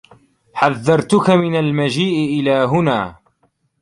حذّرتك من المجيء إلى هنا.